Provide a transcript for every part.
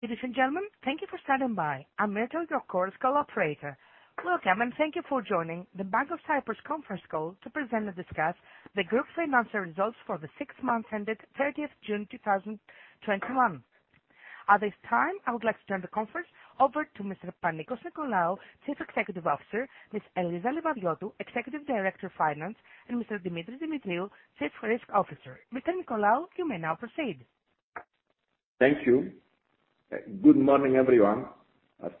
Ladies and gentlemen, thank you for standing by. I'm connected to your call's call operator. Welcome, and thank you for joining the Bank of Cyprus conference call to present and discuss the group's financial results for the six months ended 30th June 2021. At this time, I would like to turn the conference over to Mr. Panicos Nicolaou, Chief Executive Officer, Ms. Eliza Livadiotou, Executive Director of Finance, and Mr. Demetris Demetriou, Chief Risk Officer. Mr. Nicolaou, you may now proceed. Thank you. Good morning, everyone.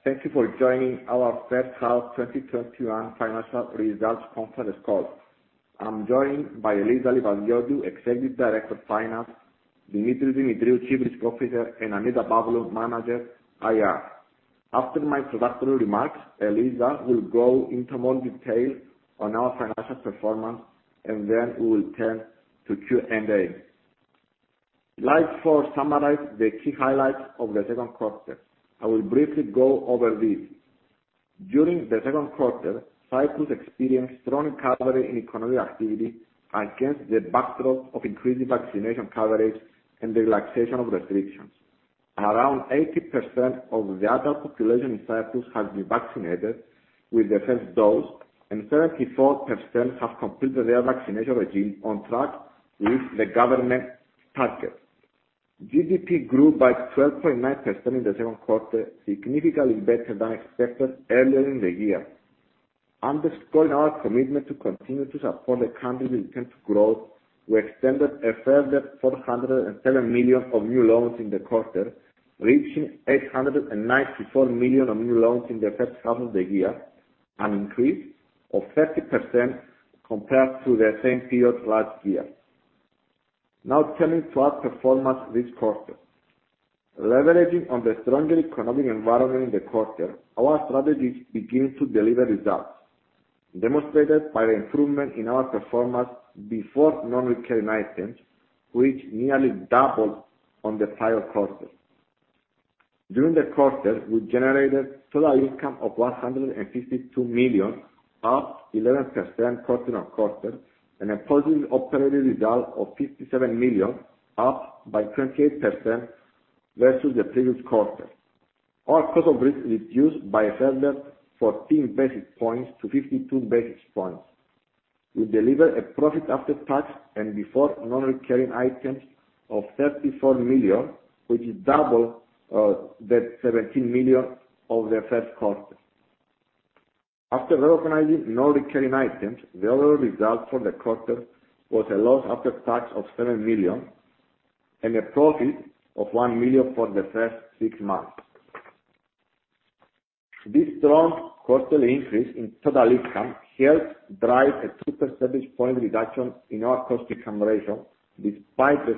Thank you for joining our First Half 2021 Financial Results Conference Call. I'm joined by Eliza Livadiotou, Executive Director Finance, Demetris Demetriou, Chief Risk Officer, and Annita Pavlou, Manager, IR. After my introductory remarks, Eliza will go into more detail on our financial performance, and then we will turn to Q&A. Slide four summarizes the key highlights of the second quarter. I will briefly go over these. During the second quarter, Cyprus experienced strong recovery in economic activity against the backdrop of increased vaccination coverage and the relaxation of restrictions. Around 80% of the adult population in Cyprus has been vaccinated with the first dose, and 34% have completed their vaccination regime, on track with the government target. GDP grew by 12.9% in the second quarter, significantly better than expected earlier in the year. Underscoring our commitment to continue to support the country's return to growth, we extended a further 407 million of new loans in the quarter, reaching 894 million of new loans in the first half of the year, an increase of 30% compared to the same period last year. Turning to our performance this quarter. Leveraging on the stronger economic environment in the quarter, our strategies begin to deliver results, demonstrated by the improvement in our performance before non-recurring items, which nearly doubled on the prior quarter. During the quarter, we generated total income of 152 million, up 11% quarter on quarter, and a positive operating result of 57 million, up by 28% versus the previous quarter. Our cost of risk reduced by a further 14 basis points to 52 basis points. We delivered a profit after tax and before non-recurring items of 34 million, which is double the 17 million of the first quarter. After recognizing non-recurring items, the overall result for the quarter was a loss after tax of 7 million and a profit of 1 million for the first six months. This strong quarterly increase in total income helped drive a two percentage point reduction in our cost-to-income ratio, despite the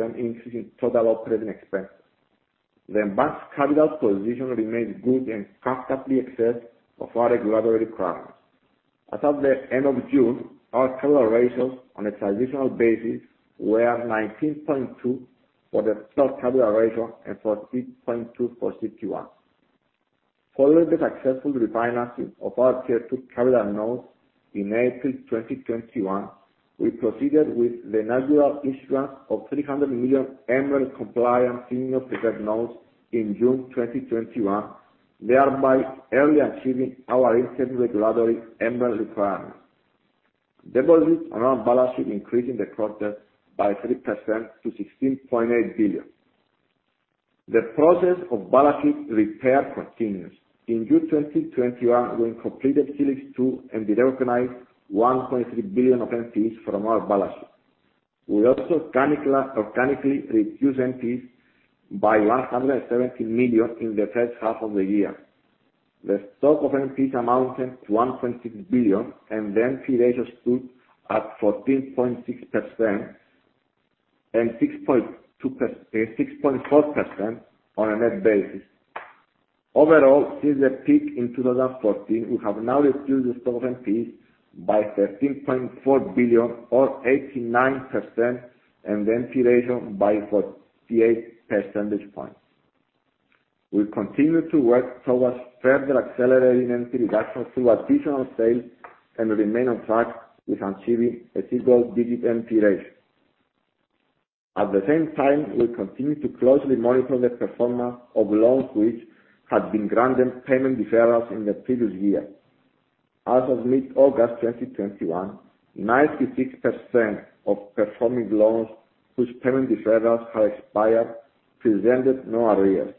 7% increase in total operating expenses. The bank's capital position remains good and comfortably exceeds regulatory requirements. As of the end of June, our capital ratios on a transitional basis were 19.2% for the Total Capital ratio and 14.2% for CET1. Following the successful refinancing of our Tier 2 capital notes in April 2021, we proceeded with the inaugural issuance of $300 million MREL-compliant senior preferred notes in June 2021, thereby early achieving our enhanced regulatory MREL requirements. Deposits around the balance sheet increased in the quarter by 3% to 16.8 billion. The process of balance sheet repair continues. In June 2021, we completed Helix 2 and rerecognized 1.3 billion of NPEs from our balance sheet. We also organically reduced NPEs by 117 million in the first half of the year. The stock of NPEs amounted to 1.6 billion, and the NPEs ratio stood at 14.6% and 6.4% on a net basis. Overall, since the peak in 2014, we have now reduced the stock of NPEs by 13.4 billion or 89%, and the NPEs ratio by 48 percentage points. We continue to work towards further accelerating NPEs reduction through additional sales and remain on track with achieving a single-digit NPEs ratio. At the same time, we continue to closely monitor the performance of loans which had been granted payment deferrals in the previous year. As of mid-August 2021, 96% of performing loans whose payment deferrals had expired presented no arrears.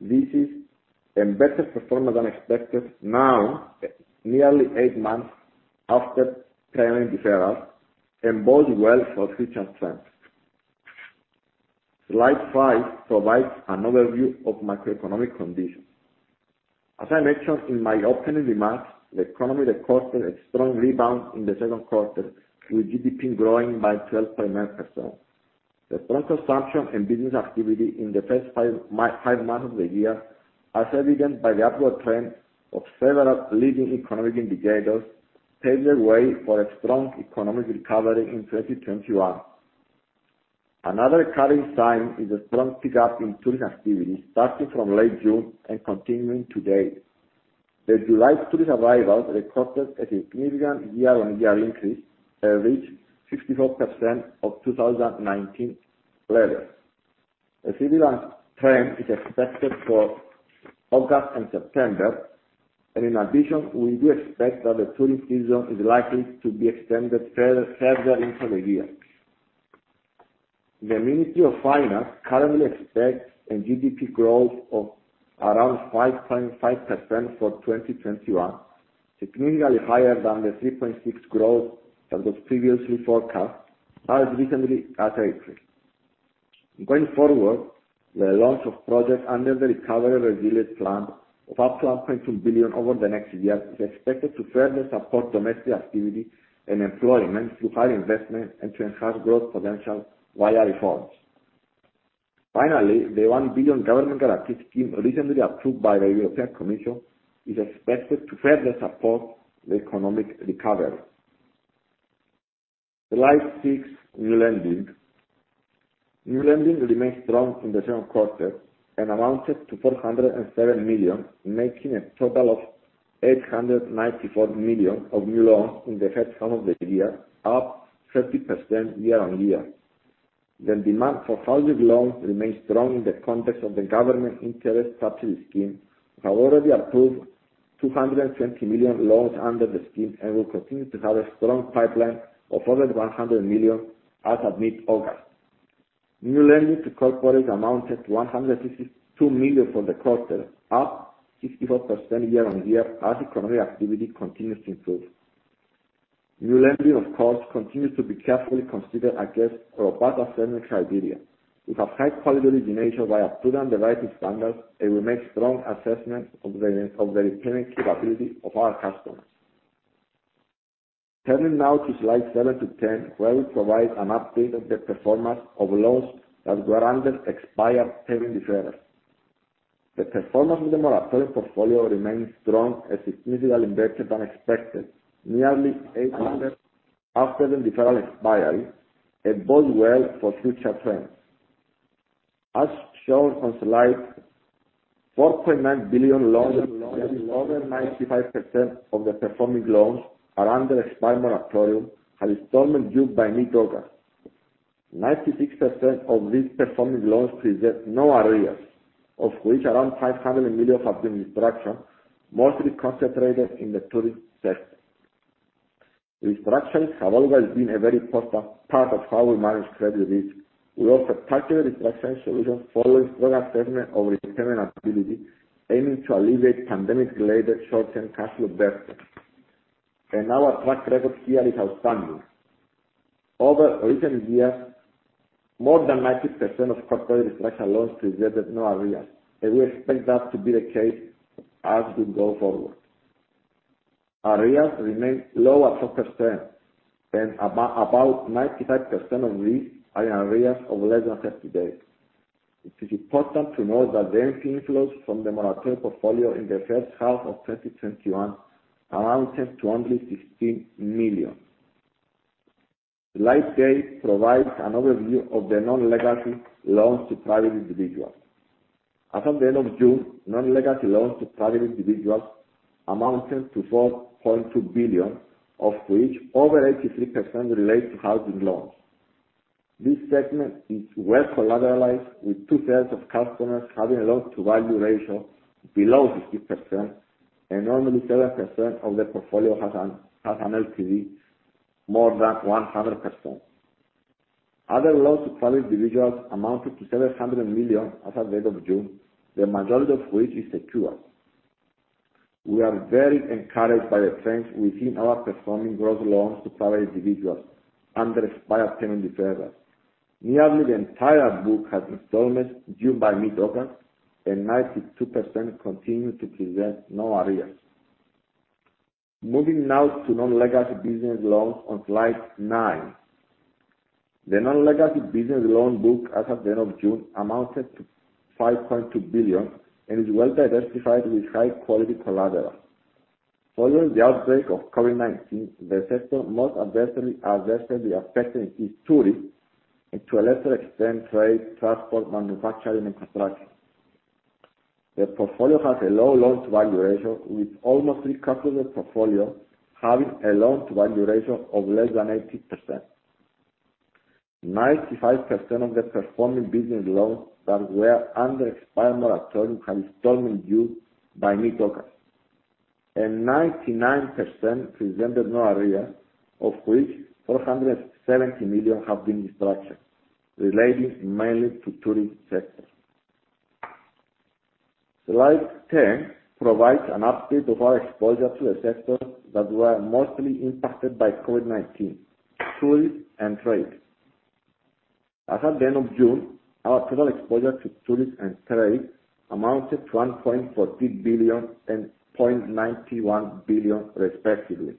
This is a better performance than expected now, nearly eight months after payment deferrals and bodes well for future trends. Slide five provides an overview of macroeconomic conditions. As I mentioned in my opening remarks, the economy recorded a strong rebound in the second quarter, with GDP growing by 12.9%. The strong consumption and business activity in the first five months of the year, as evident by the upward trend of several leading economic indicators, paved the way for a strong economic recovery in 2021. Another encouraging sign is the strong pickup in tourism activity starting from late June and continuing today. The July tourist arrivals recorded a significant year-on-year increase and reached 64% of 2019 levels. A similar trend is expected for August and September, and in addition, we do expect that the tourist season is likely to be extended further into the year. The Ministry of Finance currently expects a GDP growth of around 5.5% for 2021, significantly higher than the 3.6% growth that was previously forecast, but recently escalated. Going forward, the launch of projects under the Recovery and Resilience Plan of up to 1.2 billion over the next year is expected to further support domestic activity and employment through higher investment and to enhance growth potential via reforms. Finally, the 1 billion governmental equity scheme recently approved by the European Commission is expected to further support the economic recovery. Slide six, new lending. New lending remained strong in the second quarter and amounted to 407 million, making a total of 894 million of new loans in the first half of the year, up 30% year-on-year. The demand for housing loans remained strong in the context of the Government Interest Subsidy Scheme. We have already approved 220 million loans under the scheme and will continue to have a strong pipeline of over 100 million as of mid-August. New lending to corporates amounted to 152 million for the quarter, up 64% year-on-year as economic activity continues to improve. New lending, of course, continues to be carefully considered against robust assessment criteria, with a high-quality origination via prudent underwriting standards, and we make strong assessments of the repayment capability of our customers. Turning now to slides seven to 10, where we provide an update of the performance of loans that were under expired payment deferrals. The performance of the moratorium portfolio remains strong and significantly better than expected, nearly eight months after the deferral expiry. It bodes well for future trends. As shown on slide, 4.9 billion loans, that is more than 95% of the performing loans, are under expired moratorium, had installment due by mid-August. 96% of these performing loans present no arrears, of which around 500 million have been restructured, mostly concentrated in the tourism sector. Restructurings have always been a very important part of how we manage credit risk. We offer targeted restructuring solutions following thorough assessment of repayment ability, aiming to alleviate pandemic-related short-term cash flow deficits. Our track record here is outstanding. Over recent years, more than 90% of corporate restructure loans presented no arrears, we expect that to be the case as we go forward. Arrears remain low at 4%, and about 95% of these are in arrears of less than 30 days. It is important to note that the inflows from the moratorium portfolio in the first half of 2021 amounted to only EUR 16 million. Slide eight provides an overview of the non-legacy loans to private individuals. As of the end of June, non-legacy loans to private individuals amounted to 4.2 billion, of which over 83% relates to housing loans. This segment is well collateralized, with two-thirds of customers having a loan-to-value ratio below 50%, and only 7% of the portfolio has an LTV more than 100%. Other loans to private individuals amounted to 700 million as at the end of June, the majority of which is secured. We are very encouraged by the trends within our performing gross loans to private individuals under expired payment deferrals. Nearly the entire book had installments due by mid-August, and 92% continue to present no arrears. Moving now to non-legacy business loans on slide nine. The non-legacy business loan book as of the end of June amounted to 5.2 billion and is well diversified with high-quality collateral. Following the outbreak of COVID-19, the sector most adversely affected is tourism, and to a lesser extent, trade, transport, manufacturing, and construction. The portfolio has a low loans-to-value ratio, with almost three-quarters of the portfolio having a loan-to-value ratio of less than 80%. 95% of the performing business loans that were under expired moratorium had installment due by mid-August, and 99% presented no arrears, of which 470 million have been restructured, relating mainly to tourism sector. Slide 10 provides an update of our exposure to the sectors that were mostly impacted by COVID-19: tourism and trade. As at the end of June, our total exposure to tourism and trade amounted to 1.14 billion and 0.91 billion respectively.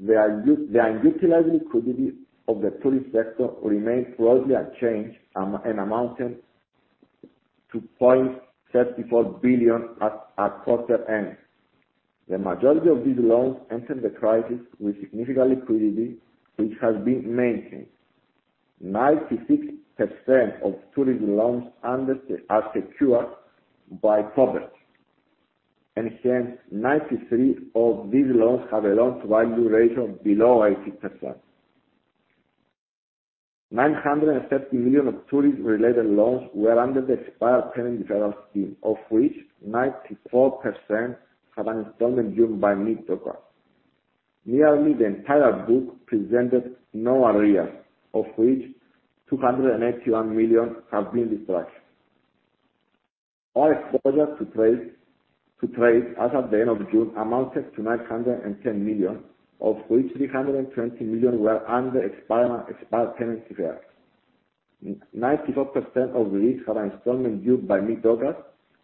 The utilized liquidity of the tourism sector remained broadly unchanged and amounted to 0.34 billion at quarter-end. The majority of these loans entered the crisis with significant liquidity, which has been maintained. 96% of tourism loans are secured by cover. Hence, 93% of these loans have a loan-to-value ratio of below 80%. 950 million of tourism related loans were under the expired payment deferral scheme, of which 94% have an installment due by mid-October. Nearly the entire book presented no arrears, of which 281 million have been distressed. Our exposure to trade as of the end of June amounted to 910 million, of which 320 million were under [inaudible] 94% of these have an installment due by mid-October,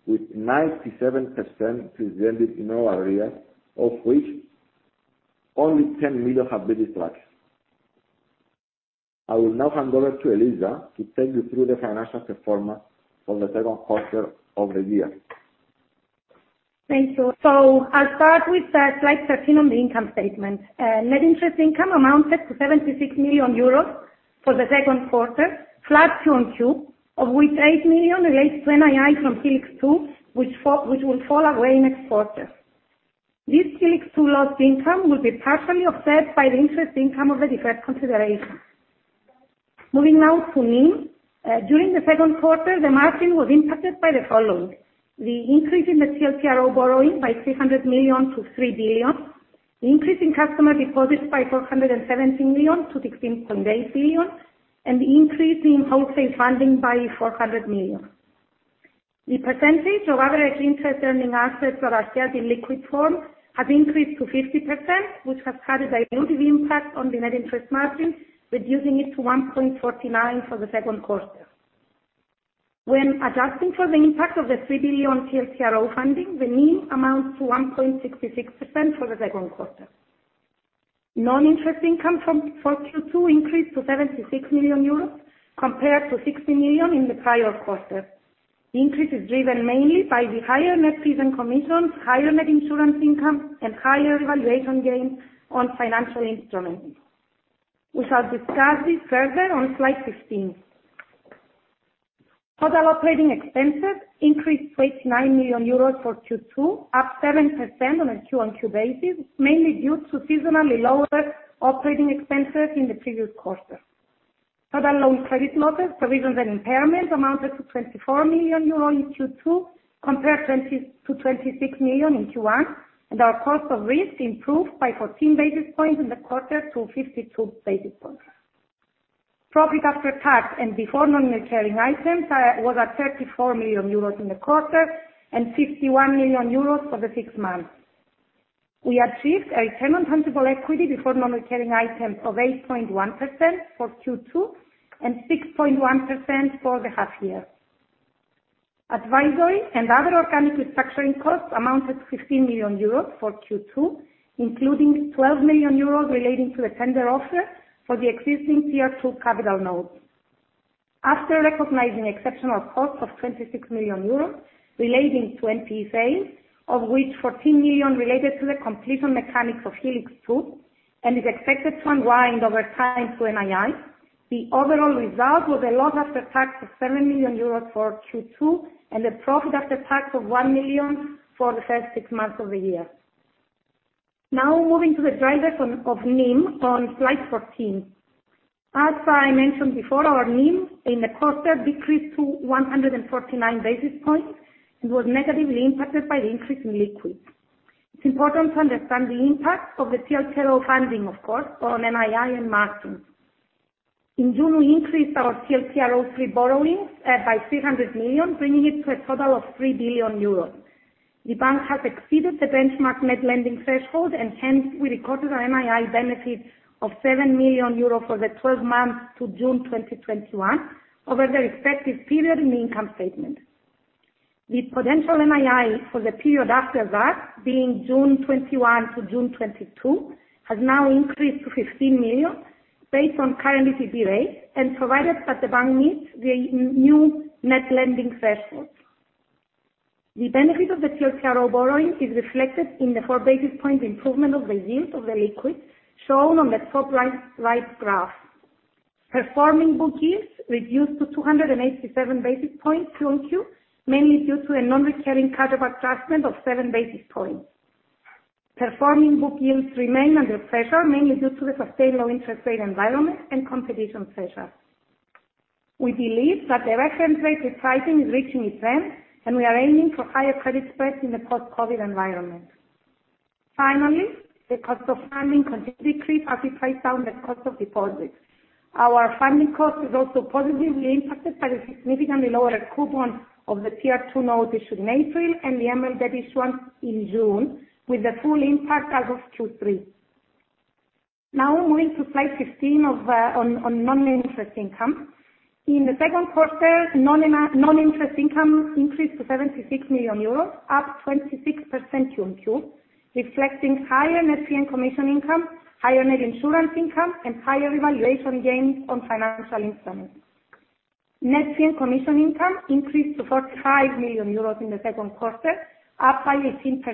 with 97% presented in our arrears, of which only 10 million have been distressed. I will now hand over to Eliza to take you through the financial performance for the second quarter of the year. Thank you. I'll start with slide 13 on the income statement. Net interest income amounted to 76 million euros for the second quarter, flat QoQ, of which 8 million relates to NII from Helix 2, which will fall away next quarter. This Helix 2 lost income will be partially offset by the interest income of the deferred consideration. Moving now to NIM. During the second quarter, the margin was impacted by the following: the increase in the TLTRO borrowing by 300 million to 3 billion, the increase in customer deposits by 470 million to 16.8 billion, and the increase in wholesale funding by 400 million. The percentage of average interest earning assets that are held in liquid form has increased to 50%, which has had a dilutive impact on the net interest margin, reducing it to 1.49 for the second quarter. When adjusting for the impact of the 3 billion TLTRO funding, the NIM amounts to 1.66% for the second quarter. Non-interest income for Q2 increased to 76 million euros compared to 60 million in the prior quarter. The increase is driven mainly by the higher net fees and commissions, higher net insurance income, and higher valuation gains on financial instruments, which are discussed further on slide 15. Total operating expenses increased to 9 million euros for Q2, up 7% on a QoQ basis, mainly due to seasonally lower operating expenses in the previous quarter. Total loan credit losses, provisions, and impairments amounted to 24 million euro in Q2, compared to 26 million in Q1, and our cost of risk improved by 14 basis points in the quarter to 52 basis points. Profit after tax and before non-recurring items was at 34 million euros in the quarter and 51 million euros for the six months. We achieved a return on tangible equity before non-recurring items of 8.1% for Q2 and 6.1% for the half year. Advisory and other organic restructuring costs amounted to 15 million euros for Q2, including 12 million euros relating to the tender offer for the existing Tier 2 capital notes. After recognizing exceptional costs of 26 million euros relating to NPE, of which 14 million related to the completion mechanics of Helix 2 and is expected to unwind over time to NII, the overall result was a loss after tax of 7 million euros for Q2 and a profit after tax of 1 million for the first six months of the year. Moving to the drivers of NIM on slide 14. As I mentioned before, our NIM in the quarter decreased to 149 basis points and was negatively impacted by the increase in liquids. It's important to understand the impact of the TLTRO funding, of course, on NII and margin. In June, we increased our TLTRO III borrowings by 300 million, bringing it to a total of 3 billion euros. The bank has exceeded the benchmark net lending threshold and hence we recorded our NII benefit of 7 million euros for the 12 months to June 2021 over the respective period in the income statement. The potential NII for the period after that, being June 2021 to June 2022, has now increased to 15 million based on current ECB rates and provided that the bank meets the new net lending threshold. The benefit of the TLTRO borrowing is reflected in the four basis point improvement of the yield of the liquids shown on the top right graph. Performing book yields reduced to 287 basis points QoQ, mainly due to a non-recurring cut of adjustment of seven basis points. Performing book yields remain under pressure, mainly due to the sustained low interest rate environment and competition pressure. We believe that the reference rate repricing is reaching its end, we are aiming for higher credit spreads in the post-COVID environment. Finally, the cost of funding could decrease as we price down the cost of deposits. Our funding cost is also positively impacted by the significantly lower coupon of the Tier 2 note issued in April and the MREL debt issuance in June, with the full impact as of Q3. Moving to slide 15 on non-interest income. In the second quarter, non-interest income increased to 76 million euros, up 26% QoQ, reflecting higher net fee and commission income, higher net insurance income, and higher revaluation gains on financial instruments. Net fee and commission income increased to 45 million euros in the second quarter, up by 18%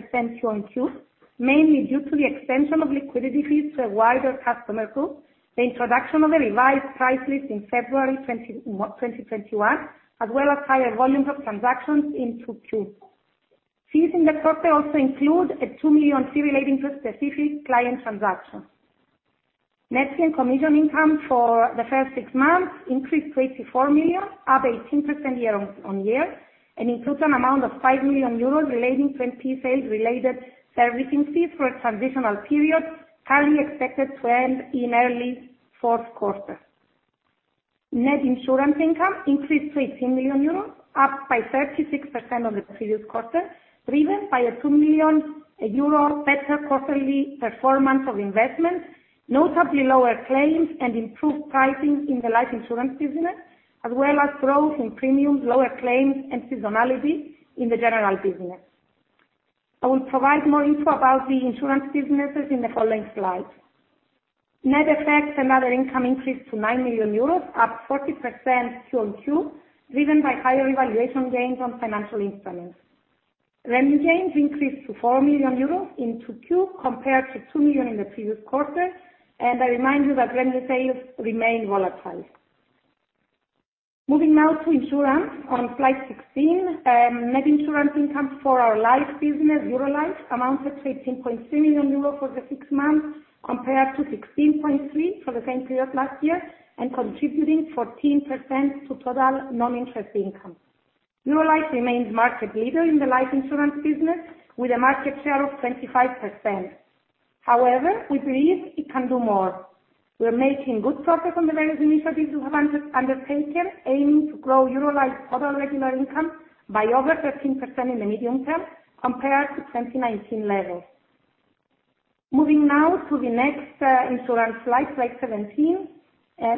QoQ, mainly due to the extension of liquidity fees to a wider customer group, the introduction of a revised price list in February 2021, as well as higher volumes of transactions in 2Q. Fees in the quarter also include a 2 million fee relating to a specific client transaction. Net fee and commission income for the first six months increased to 24 million, up 18% year-on-year, includes an amount of 5 million euros relating to NPE sales related servicing fees for a transitional period, currently expected to end in early fourth quarter. Net insurance income increased to 18 million euros, up by 36% on the previous quarter, driven by a 2 million euro better quarterly performance of investments, notably lower claims and improved pricing in the life insurance business, as well as growth in premiums, lower claims and seasonality in the general business. I will provide more info about the insurance businesses in the following slide. Net FX and other income increased to 9 million euros, up 40% QoQ, driven by higher valuation gains on financial instruments. REO gains increased to 4 million euros in 2Q compared to 2 million in the previous quarter. I remind you that REO sales remain volatile. Moving now to insurance on slide 16. Net insurance income for our life business, Eurolife, amounted to 18.3 million euro for the six months, compared to 16.3 for the same period last year, contributing 14% to total non-interest income. Eurolife remains market leader in the life insurance business, with a market share of 25%. However, we believe it can do more. We are making good progress on the various initiatives we have undertaken, aiming to grow Eurolife's total regular income by over 13% in the medium term compared to 2019 levels. Moving now to the next insurance slide 17.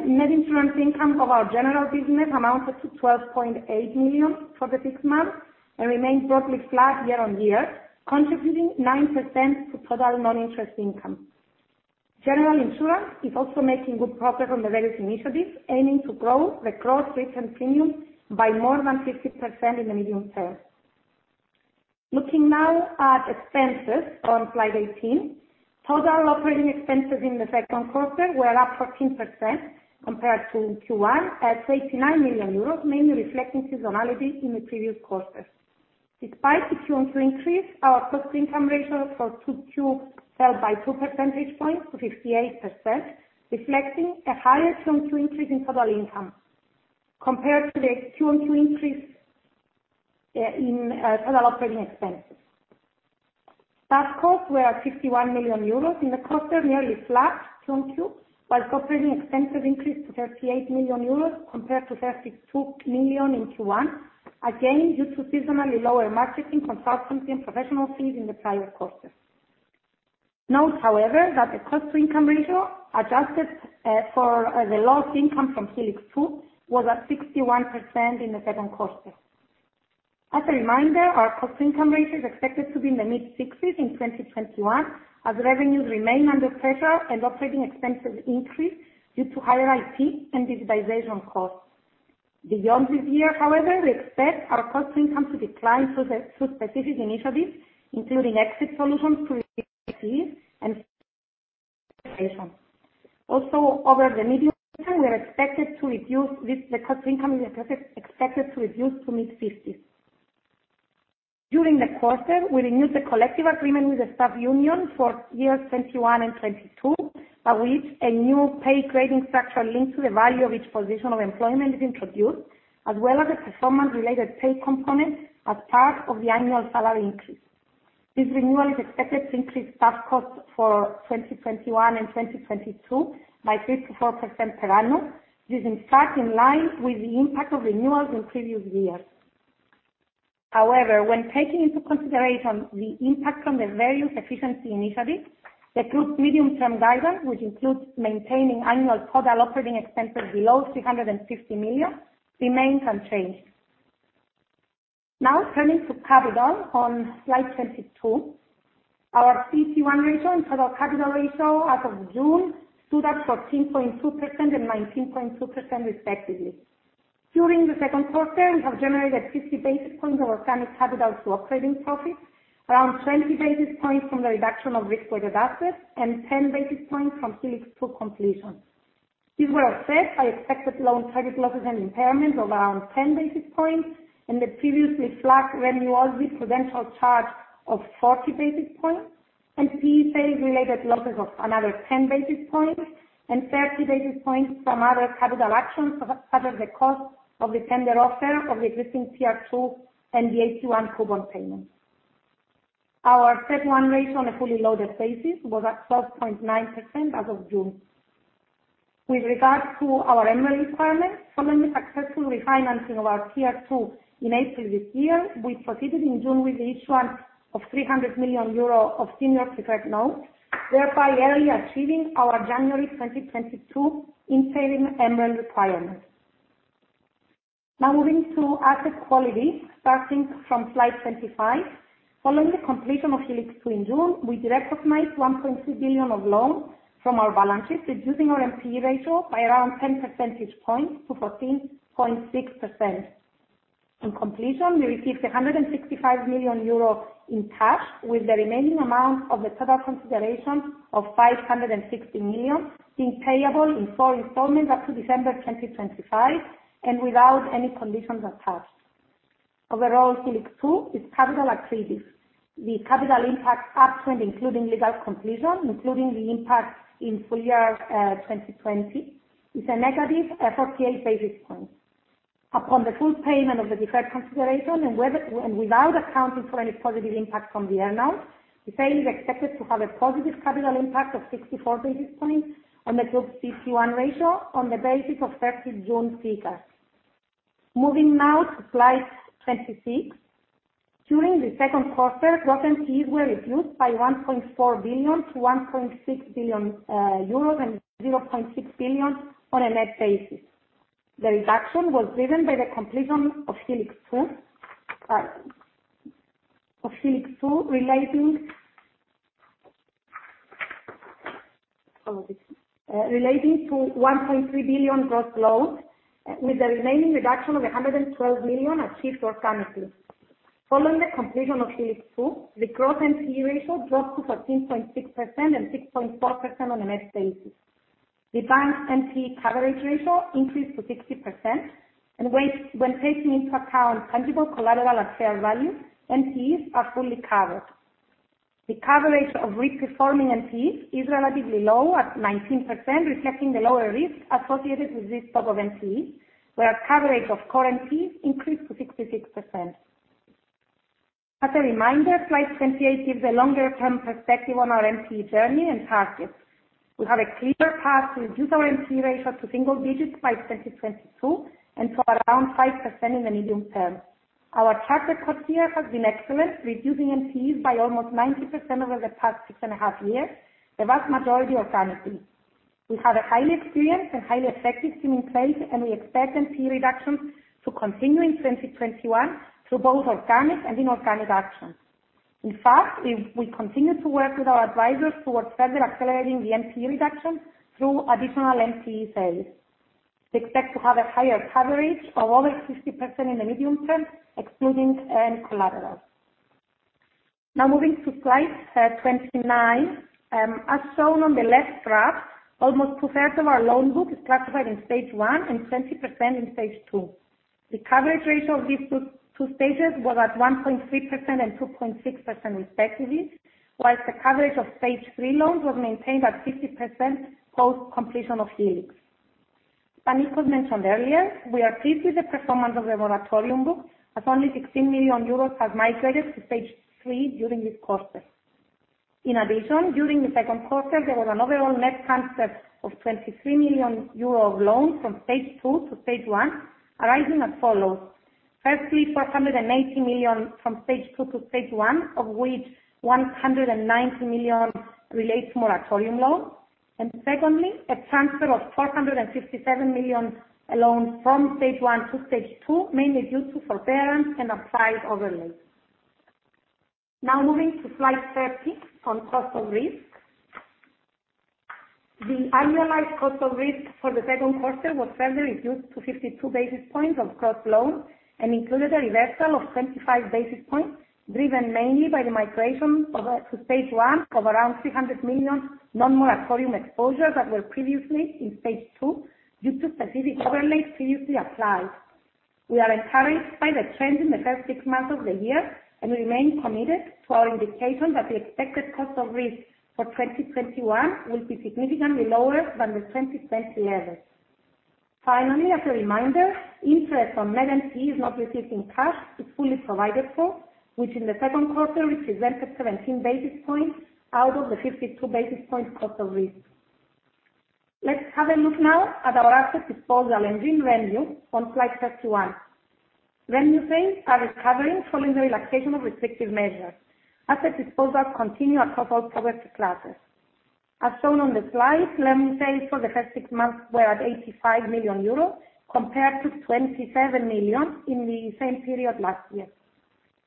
Net insurance income of our general business amounted to 12.8 million for the six months and remained broadly flat year-on-year, contributing 9% to total non-interest income. General Insurance is also making good progress on the various initiatives, aiming to grow the gross written premium by more than 50% in the medium term. Looking now at expenses on slide 18. Total operating expenses in the second quarter were up 14% compared to Q1 at 89 million euros, mainly reflecting seasonality in the previous quarter. Despite the QoQ increase, our cost-to-income ratio for 2Q fell by two percentage points to 58%, reflecting a higher QoQ increase in total income compared to the QoQ increase in total operating expenses. Staff costs were 51 million euros in the quarter, nearly flat QoQ, while operating expenses increased to 38 million euros compared to 32 million in Q1, again due to seasonally lower marketing, consultancy, and professional fees in the prior quarter. Note, however, that the cost-to-income ratio, adjusted for the lost income from Helix 2, was at 61% in the second quarter. As a reminder, our cost-to-income ratio is expected to be in the mid-60s in 2021, as revenues remain under pressure and operating expenses increase due to higher IT and digitalization costs. Beyond this year, however, we expect our cost income to decline through specific initiatives, including exit solutions to reduce IT, and optimization. Over the medium term, we are expected to reduce the cost-to-income ratio we discussed, expected to reduce to mid-50s%. During the quarter, we renewed the collective agreement with the staff union for years 2021 and 2022, by which a new pay grading structure linked to the value of each position of employment is introduced, as well as a performance-related pay component as part of the annual salary increase. This renewal is expected to increase staff costs for 2021 and 2022 by 3% to 4% per annum. This is in fact in line with the impact of renewals in previous years. When taking into consideration the impact from the various efficiency initiatives, the group's medium-term guidance, which includes maintaining annual total operating expenses below 350 million, remains unchanged. Turning to capital on slide 22. Our CET1 ratio and Total Capital ratio as of June stood at 14.2% and 19.2%, respectively. During the second quarter, we have generated 50 basis points of organic capital to operating profit, around 20 basis points from the reduction of risk-weighted assets, and 10 basis points from Helix 2 completion. These were offset by [inaudible] and impairments of around 10 basis points, and the previously flagged [inaudible] of 40 basis points, and fee sales-related losses of another 10 basis points, and 30 basis points from other capital actions to cover the cost of the tender offer of the existing Tier 2 and the AT1 coupon payment. Our CET1 ratio on a fully loaded basis was at 12.9% as of June. With regard to our MREL requirement, following the successful refinancing of our Tier 2 in April this year, we proceeded in June with the issuance of 300 million euro of senior secured notes, thereby early achieving our January 2022 in-paying MREL requirement. Moving to asset quality, starting from slide 25. Following the completion of Helix 2 in June, we derecognized 1.3 billion of loans from our balance sheet, reducing our NPE ratio by around 10 percentage points to 14.6%. On completion, we received 165 million euro in cash, with the remaining amount of the total consideration of 560 million being payable in four installments up to December 2025 and without any conditions attached. Overall, Helix 2 is capital accretive. The capital impact up to and including legal completion, including the impact in full year 2020, is a negative 48 basis points. Upon the full payment of the deferred consideration and without accounting for any positive impact from the earn-out, the sale is expected to have a positive capital impact of 64 basis points on the group CET1 ratio on the basis of 30 June figures. Moving now to slide 26. During the second quarter, gross NPEs were reduced by 1.4 billion to 1.6 billion euros and 0.6 billion on a net basis. The reduction was driven by the completion of Helix 2 relating to 1.3 billion gross loans, with the remaining reduction of 112 million achieved organically. Following the completion of Helix 2, the gross NPE ratio dropped to 14.6% and 6.4% on a net basis. The bank's NPE coverage ratio increased to 60% and when taking into account tangible collateral at fair value, NPEs are fully covered. The coverage of risk-performing NPEs is relatively low at 19%, reflecting the lower risk associated with this type of NPE, where coverage of core NPEs increased to 66%. As a reminder, slide 28 gives a longer-term perspective on our NPE journey and targets. We have a clear path to reduce our NPE ratio to single digits by 2022 and to around 5% in the medium term. Our track record here has been excellent, reducing NPEs by almost 90% over the past six and a half years, the vast majority organically. We have a highly experienced and highly effective team in place, and we expect NPE reductions to continue in 2021 through both organic and inorganic actions. In fact, we continue to work with our advisors towards further accelerating the NPE reduction through additional NPE sales. We expect to have a higher coverage of over 60% in the medium term, excluding end collateral. Moving to slide 29. As shown on the left graph, almost two-thirds of our loan book is classified in Stage 1 and 20% in Stage 2. The coverage ratio of these two stages was at 1.3% and 2.6% respectively, whilst the coverage of Stage 3 loans was maintained at 50% post completion of Helix. Panicos mentioned earlier we are pleased with the performance of the moratorium book, as only 16 million euros has migrated to Stage 3 during this quarter. During the second quarter, there was an overall net transfer of 23 million euro loans from Stage 2 to Stage 1, arising as follows. 480 million from Stage 2 to Stage 1, of which 190 million relates to moratorium loans. Secondly, a transfer of 457 million loans from Stage 1 to Stage 2, mainly due to forbearance and applied overlays. Now moving to slide 30 on cost of risk. The annualized cost of risk for the second quarter was further reduced to 52 basis points of gross loans and included a reversal of 25 basis points, driven mainly by the migration to Stage 1 of around 300 million non-moratorium exposures that were previously in Stage 2 due to specific overlays previously applied. We are encouraged by the trend in the first six months of the year and remain committed to our indication that the expected cost of risk for 2021 will be significantly lower than the 2020 levels. Finally, as a reminder, interest on net NPEs not received in cash is fully provided for, which in the second quarter represented 17 basis points out of the 52 basis points cost of risk. Let's have a look now at our asset disposal and gain revenue on slide 31. REO gains are recovering following the relaxation of restrictive measures. Asset disposals continue across all product classes. As shown on the slide, loan gains for the first six months were at 85 million euros, compared to 27 million in the same period last year.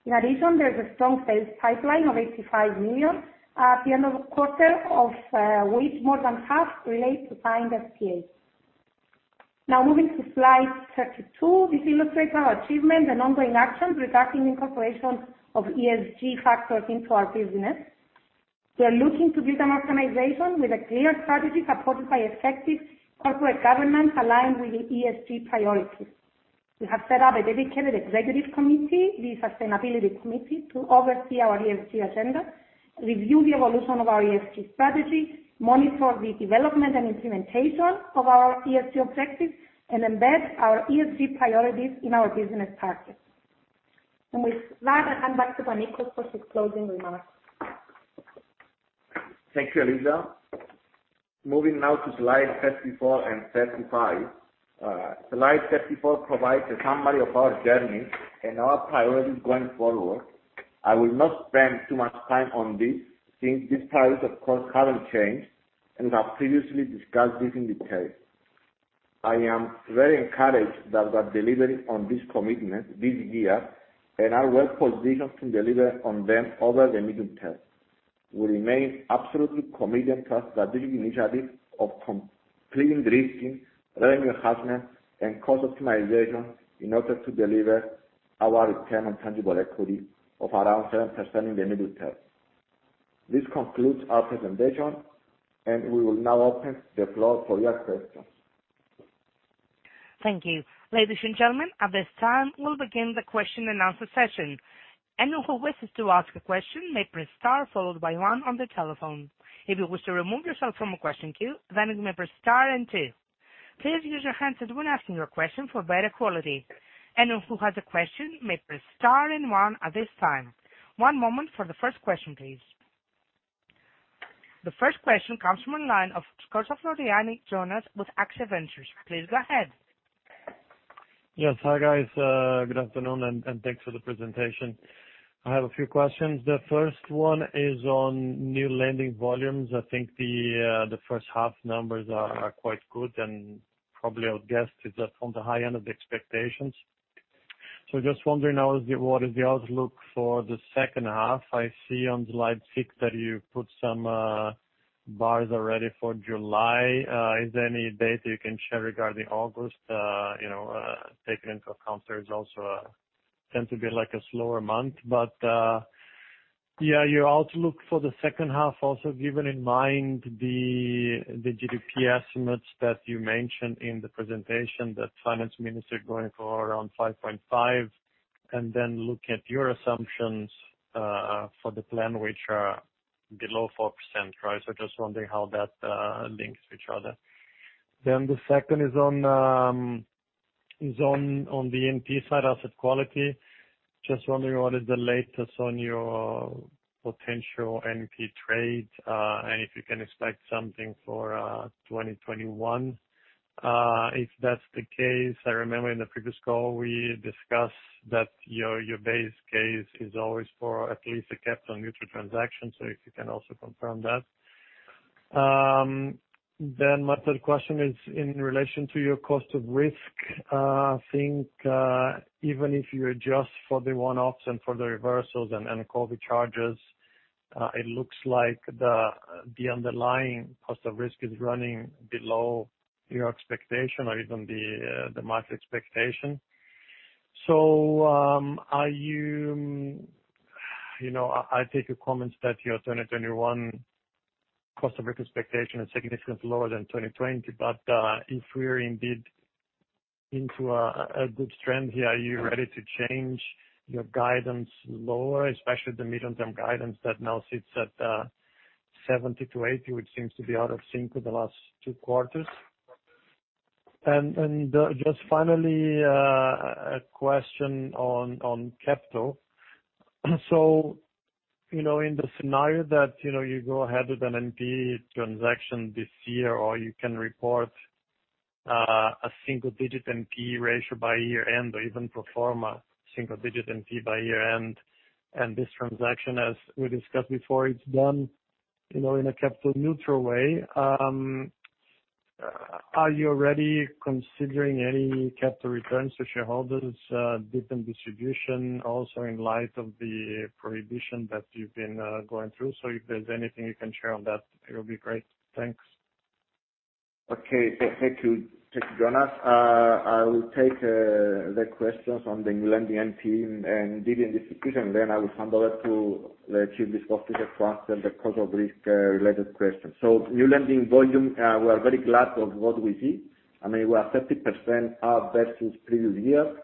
In addition, there is a strong sales pipeline of 85 million at the end of the quarter, of which more than half relate to signed SPAs. Now moving to slide 32. This illustrates our achievement and ongoing actions regarding the incorporation of ESG factors into our business. We are looking to be an organization with a clear strategy supported by effective corporate governance aligned with the ESG priorities. We have set up a dedicated executive committee, the Sustainability Committee, to oversee our ESG agenda, review the evolution of our ESG strategy, monitor the development and implementation of our ESG objectives, and embed our ESG priorities in our business partners. With that, I hand back to Panicos for his closing remarks. Thank you, Eliza. Moving now to slides 34 and 35. Slide 34 provides a summary of our journey and our priorities going forward. I will not spend too much time on this since these priorities, of course, haven't changed, and I previously discussed this in detail. I am very encouraged that we are delivering on this commitment this year, and are well-positioned to deliver on them over the medium term. We remain absolutely committed to the strategic initiatives of completing de-risking, revenue enhancement, and cost optimization in order to deliver our return on tangible equity of around 7% in the medium term. This concludes our presentation, and we will now open the floor for your questions. The first question comes from the line of Jonas with Axia Ventures. Please go ahead. Yes. Hi, guys. Good afternoon, and thanks for the presentation. I have a few questions. The 1st one is on new lending volumes. I think the first half numbers are quite good and probably I would guess it's from the high end of the expectations. Just wondering now, what is the outlook for the second half? I see on slide six that you put some bars already for July. Is there any data you can share regarding August? Taking into account there's also tends to be a slower month. But, yeah, your outlook for the second half, also given in mind the GDP estimates that you mentioned in the presentation, that Ministry of Finance going for around 5.5, and looking at your assumptions for the plan, which are below 4%. Just wondering how that links to each other. The second is on the NPE side asset quality. Just wondering what is the latest on your potential NPE trade. If you can expect something for 2021. If that's the case, I remember in the previous call, we discussed that your base case is always for at least a capital neutral transaction. If you can also confirm that. My third question is in relation to your cost of risk. I think, even if you adjust for the one-offs and for the reversals and COVID-19 charges, it looks like the underlying cost of risk is running below your expectation or even the market expectation. I take your comments that your 2021 cost of risk expectation is significantly lower than 2020. If we're indeed into a good trend here, are you ready to change your guidance lower? Especially the medium-term guidance that now sits at 70-80, which seems to be out of sync with the last two quarters. Just finally, a question on capital. In the scenario that you go ahead with an NP transaction this year, or you can report a single-digit NP ratio by year-end or even perform a single-digit NP by year-end, this transaction, as we discussed before, it's done in a capital neutral way. Are you already considering any capital returns to shareholders, different distribution, also in light of the prohibition that you've been going through? If there's anything you can share on that, it'll be great. Thanks. Okay. Thank you. Thank you, Jonas. I will take the questions on the new lending NPE and dividend distribution, then I will hand over to the Chief Risk Officer to answer the cost of risk-related questions. New lending volume, we are very glad of what we see. We are 30% up versus previous year.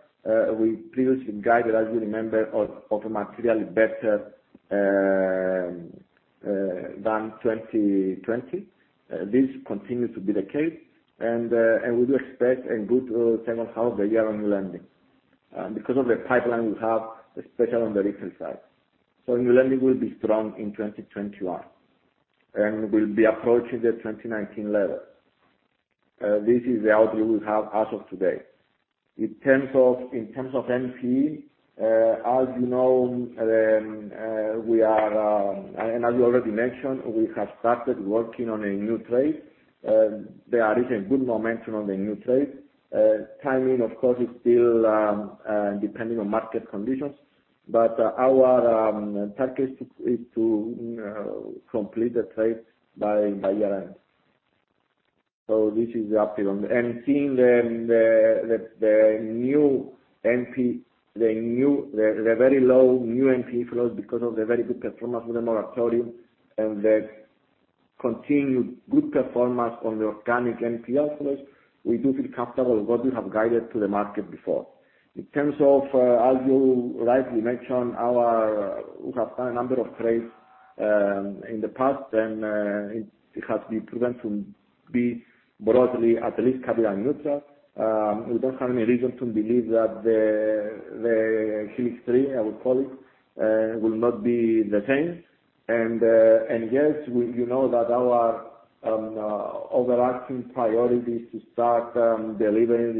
We previously guided, as you remember, of a materially better than 2020. This continues to be the case, and we do expect a good second half of the year on new lending. Because of the pipeline we have, especially on the retail side. New lending will be strong in 2021, and will be approaching the 2019 level. This is the outlook we have as of today. In terms of NPE, as you know, and as we already mentioned, we have started working on a new trade. There is a good momentum on the new trade. Timing, of course, is still depending on market conditions, but our target is to complete the trades by year-end. This is the optimum. Seeing the very low new NPE flows because of the very good performance with the moratorium and the continued good performance on the organic NPL flows, we do feel comfortable with what we have guided to the market before. In terms of, as you rightly mentioned, we have done a number of trades in the past, and it has been proven to be broadly, at least capital neutral. We don't have any reason to believe that the Helix 3, I would call it, will not be the same. Yes, you know that our overarching priority is to start delivering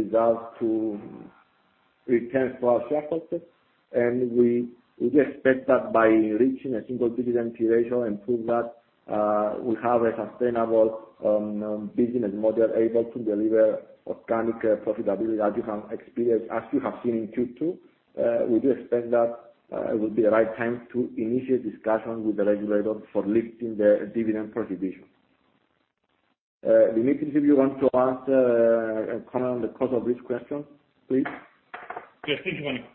returns to our shareholders, and we expect that by reaching a single-digit NPL ratio and prove that we have a sustainable business model able to deliver organic profitability as you have seen in Q2, we do expect that it will be the right time to initiate discussions with the regulator for lifting the dividend prohibition. Demetris, if you want to answer and comment on the cost of risk question, please. Yes. Thank you, Panicos.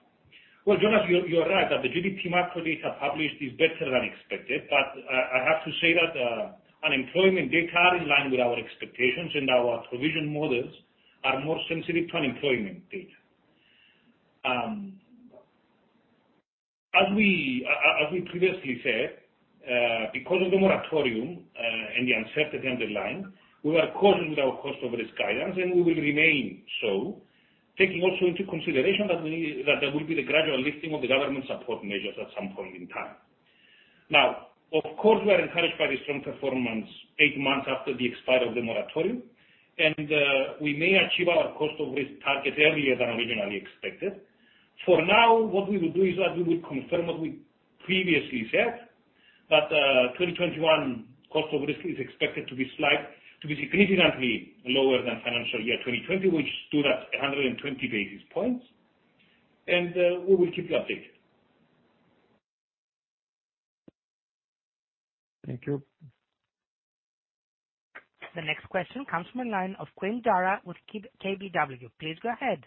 Well, Jonas, you're right, that the GDP macro data published is better than expected, I have to say that unemployment data are in line with our expectations, and our provision models are more sensitive to unemployment data. As we previously said, because of the moratorium, and the uncertainty on the line, we are cautious with our cost of risk guidance, and we will remain so, taking also into consideration that there will be the gradual lifting of the government support measures at some point in time. Now, of course, we are encouraged by the strong performance eight months after the expiry of the moratorium, and we may achieve our cost of risk target earlier than originally expected. For now, what we will do is that we will confirm what we previously said, that 2021 cost of risk is expected to be significantly lower than financial year 2020, which stood at 120 basis points. We will keep you updated. Thank you. The next question comes from the line of Quinn Daragh with KBW. Please go ahead.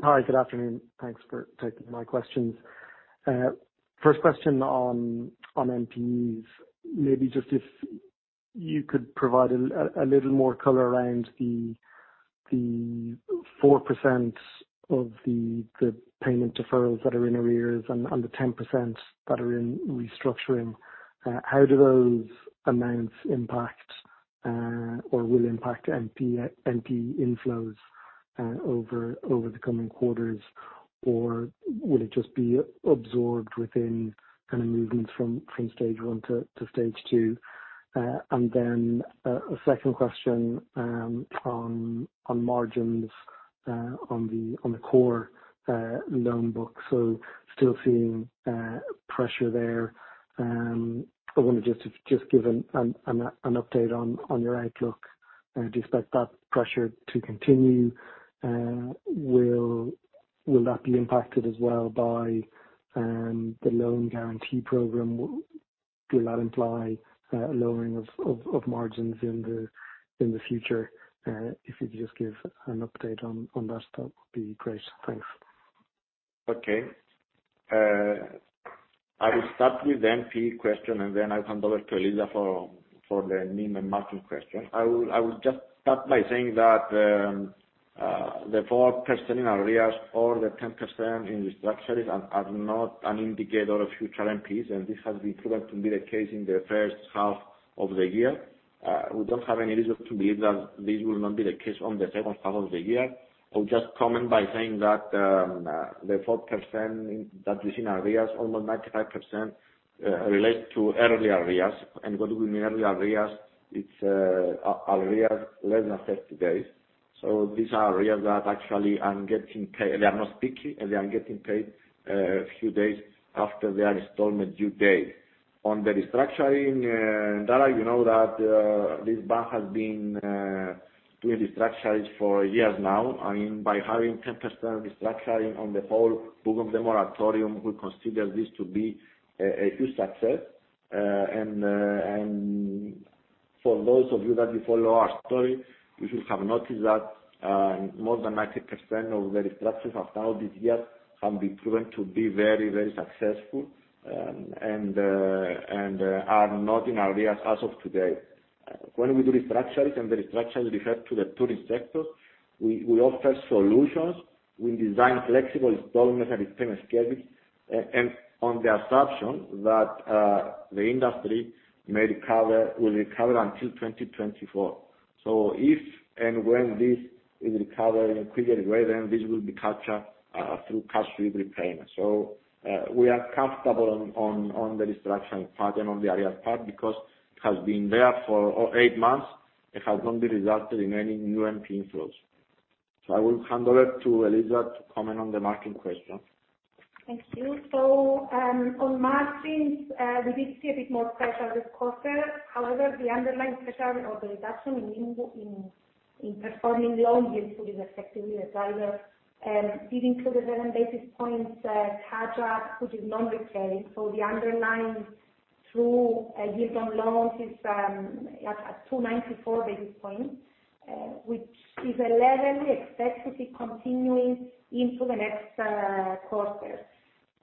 Hi, good afternoon. Thanks for taking my questions. First question on NPEs, maybe just if you could provide a little more color around the 4% of the payment deferrals that are in arrears and the 10% that are in restructuring. How do those amounts impact, or will impact NPE inflows over the coming quarters? Will it just be absorbed within kind of movements from Stage 1 to Stage 2? A second question on margins on the core loan book, so still seeing pressure there. I wonder just if you could just give an update on your outlook. Do you expect that pressure to continue? Will that be impacted as well by the loan guarantee program? Will that imply a lowering of margins in the future? If you could just give an update on that would be great. Thanks. Okay. I will start with the NPE question. Then I'll hand over to Eliza for the NIM and margin question. I will just start by saying that the 4% in arrears or the 10% in restructures are not an indicator of future NPEs, and this has been proven to be the case in the first half of the year. We don't have any reason to believe that this will not be the case on the second half of the year. I'll just comment by saying that the 4% that is in arrears, almost 95% relates to early arrears. What do we mean early arrears? It's arrears less than 30 days. So these are arrears that actually are not sticky, and they are getting paid a few days after their installment due date. On the restructuring, Daragh, you know that this bank has been doing restructures for years now. By having 10% restructuring on the whole book of the moratorium, we consider this to be a huge success. For those of you that follow our story, you should have noticed that more than 90% of the restructures until this year have been proven to be very successful, and are not in arrears as of today. When we do restructures, and the restructures refer to the tourist sector, we offer solutions, we design flexible installment and repayment schedules, and on the assumption that the industry will recover until 2024. If and when this is recovering quicker, then this will be captured through cash repayment. We are comfortable on the restructuring part and on the arrears part because it has been there for eight months, it has not resulted in any new NPE inflows. I will hand over to Eliza to comment on the margin question. Thank you. On margins, we did see a bit more pressure this quarter. However, the underlying pressure or the reduction in performing loans, including effectively the driver, did include the seven basis points catch-up, which is non-recurring. The underlying through yields on loans is at 294 basis points, which is a level we expect to be continuing into the next quarter.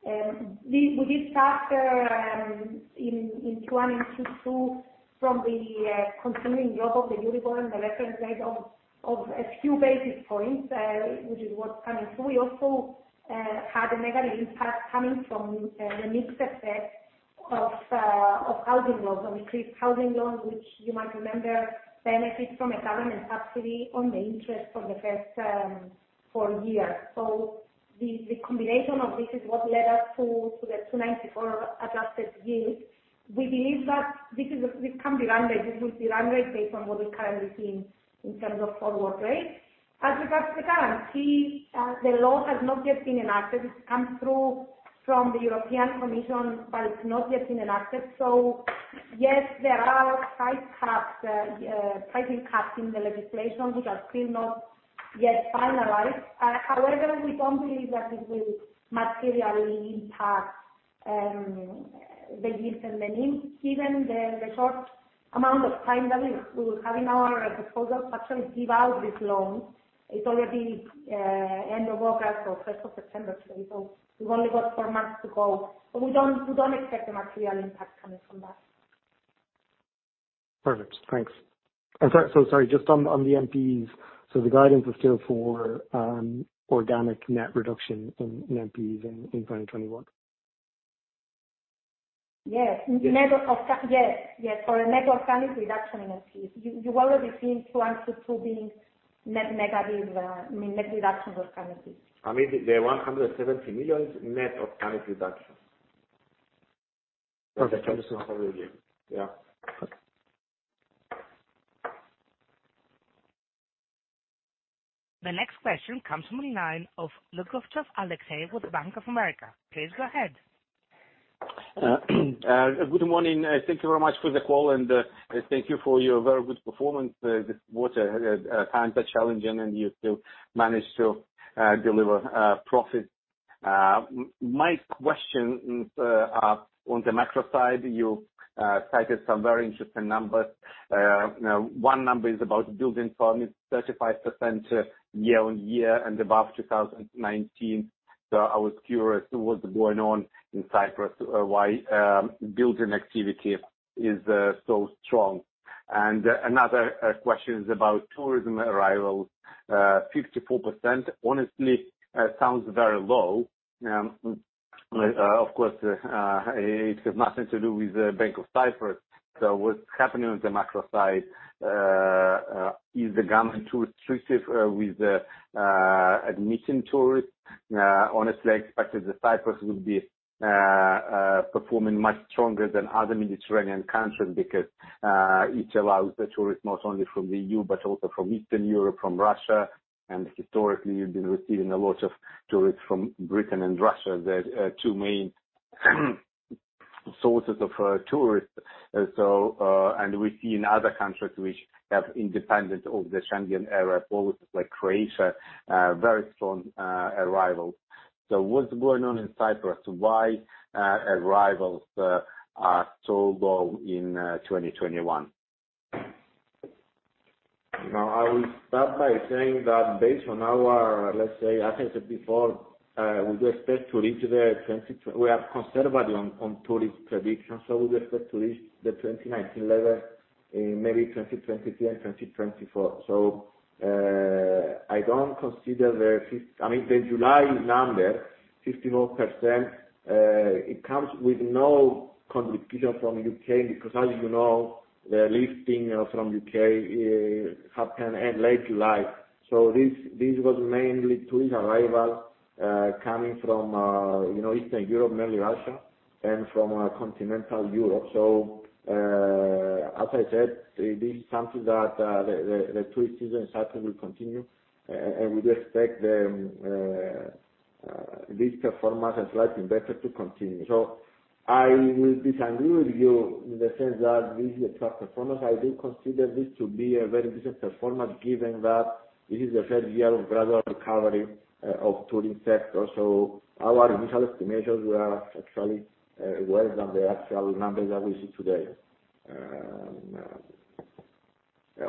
We did suffer in Q1 and Q2 from the continuing drop of the Euribor and the reference rate of a few basis points, which is what's coming through. We also had a negative impact coming from the mixed effect of housing loans, on Green housing loans, which you might remember benefit from a government subsidy on the interest for the first four years. The combination of this is what led us to the 2.94 adjusted yield. We believe that this can be run rate. This will be run rate based on what we're currently seeing in terms of forward rates. As regards the guarantee, the law has not yet been enacted. It's come through from the European Commission. It's not yet been enacted. Yes, there are pricing caps in the legislation, which are still not yet finalized. However, we don't believe that this will materially impact the yields and the NIM, given the short amount of time that we have in our disposal to actually give out this loan. It's already end of August or 1st of September today. We've only got four months to go. We don't expect a material impact coming from that. Perfect. Thanks. Sorry, just on the NPEs. The guidance is still for organic net reduction in NPEs in 2021? Yes. For a net organic reduction in NPEs. You've already seen H1 and H2 being net negative, mean net reduction of NPEs. I mean, the 170 million is net organic reduction. Okay. Yeah. Okay. The next question comes from the line of Alexei Lougovtsov with Bank of America. Please go ahead. Good morning. Thank you very much for the call. Thank you for your very good performance this quarter. Times are challenging. You still managed to deliver profit. My question is on the macro side. You cited some very interesting numbers. One number is about building permits, 35% year-on-year and above 2019. I was curious what's going on in Cyprus, why building activity is so strong? Another question is about tourism arrivals, 54%. Honestly, sounds very low. Of course, it has nothing to do with Bank of Cyprus. What's happening on the macro side? Is the government too restrictive with admitting tourists? Honestly, I expected that Cyprus would be performing much stronger than other Mediterranean countries because it allows the tourists not only from the EU, but also from Eastern Europe, from Russia. Historically, you've been receiving a lot of tourists from Britain and Russia, the two main sources of tourists. We see in other countries which have independent of the Schengen area, places like Croatia, very strong arrivals. What's going on in Cyprus? Why arrivals are so low in 2021? I will start by saying that based on our, let's say, as I said before, we are conservative on tourist predictions, we expect to reach the 2019 level in maybe 2023 and 2024. I don't consider the 5th July number, 54%, it comes with no contribution from U.K. because as you know, the lifting from U.K. happened late July. This was mainly tourist arrival, coming from Eastern Europe, mainly Russia, and from continental Europe. As I said, this is something that the tourist season certainly will continue. We do expect this performance and slightly better to continue. I will disagree with you in the sense that this is a poor performance. I do consider this to be a very decent performance, given that this is the first year of gradual recovery of tourism sector. Our initial estimations were actually worse than the actual numbers that we see today.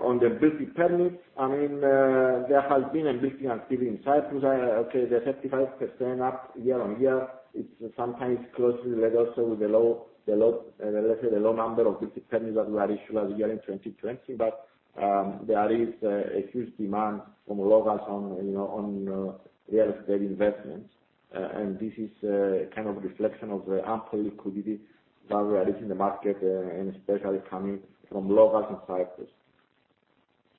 On the building permits, there has been a building activity in Cyprus. Okay, the 35% up year-over-year, it's sometimes closely related also with the low number of building permits that were issued last year in 2020. There is a huge demand from locals on real estate investment. This is a kind of reflection of the ample liquidity that we are seeing in the market, and especially coming from locals in Cyprus.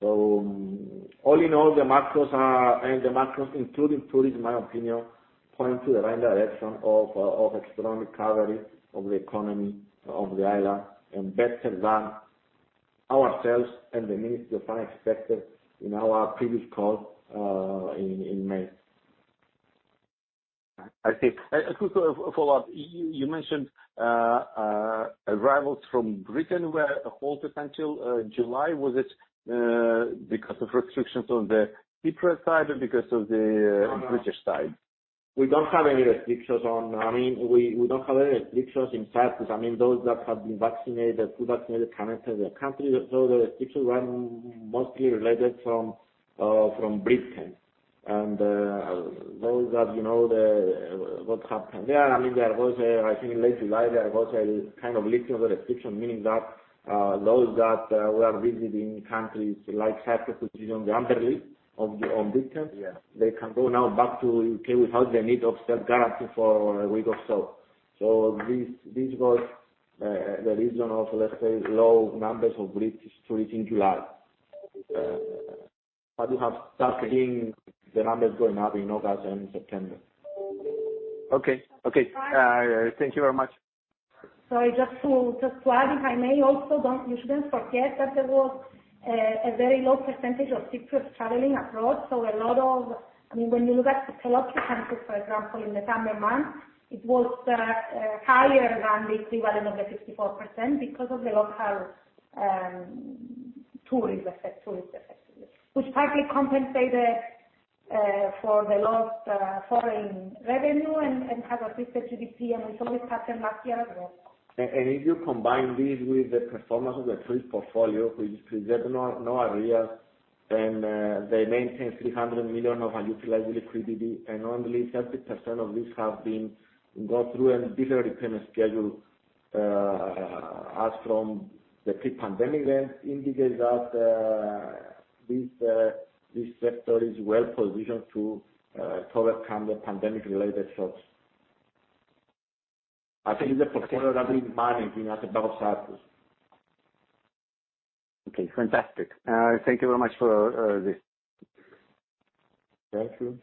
All in all, the macros, including tourists, in my opinion, point to the right direction of economic recovery of the economy of the island, and better than ourselves and the minister unexpectedly in our previous call, in May. I see. A quick follow-up. You mentioned arrivals from Britain were halted until July. Was it because of restrictions on the Cyprus side or because of? No British side? We don't have any restrictions in Cyprus. Those that have been vaccinated, two vaccinated, can enter the country. The restrictions were mostly related from Britain. Those that what happened there, I think in late July, there was a kind of lifting of the restriction, meaning that those that were visiting countries like Cyprus, which is on the amber list of Britain. Yeah they can go now back to U.K. without the need of self-quarantine for a week or so. This was the reason of, let's say, low numbers of British tourists in July. You have started seeing the numbers going up in August and September. Okay. Thank you very much. Sorry, just to add, if I may also, you shouldn't forget that there was a very low percentage of Cypriots traveling abroad. A lot of, when you look at the local tourists, for example, in the summer months, it was higher than the equivalent of the 54% because of the local tourist effectively, which partly compensated for the lost foreign revenue and has assisted GDP, and we saw this pattern last year as well. If you combine this with the performance of the tourist portfolio, we present no arrears and they maintain 300 million of unutilized liquidity, and only 30% of this have been go through a different repayment schedule as from the pre-pandemic trend indicates that this sector is well-positioned to overcome the pandemic-related shocks. I think it's a portfolio that we're managing at the Bank of Cyprus. Okay, fantastic. Thank you very much for this. Thank you.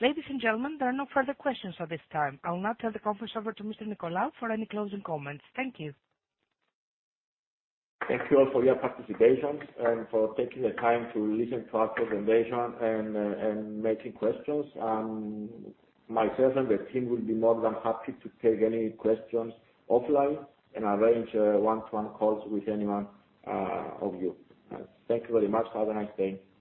Ladies and gentlemen, there are no further questions at this time. I will now turn the conference over to Mr. Nicolaou for any closing comments. Thank you. Thank you all for your participation and for taking the time to listen to our presentation and making questions. Myself and the team will be more than happy to take any questions offline and arrange one-to-one calls with any one of you. Thank you very much. Have a nice day.